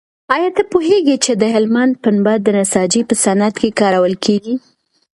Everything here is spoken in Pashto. ایا ته پوهېږې چې د هلمند پنبه د نساجۍ په صنعت کې کارول کېږي؟